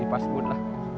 oh ini pas bud lah